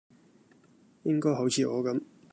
應該好似我咁